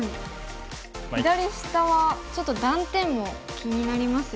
左下はちょっと断点も気になりますよね。